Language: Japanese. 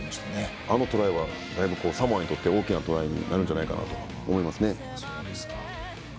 あのトライはサモアにとって大きなトライになるんじゃないかなと思いますね。